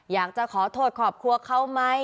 อยากจะขอโทษครอบครัวเขาไหม